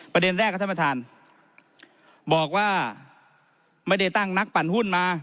ประเด็นแรกครับท่านประธานบอกว่าไม่ได้ตั้งนักปั่นหุ้นมา